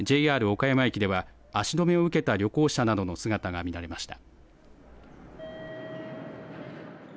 岡山駅では足止めを受けた旅行者などの姿が見られました。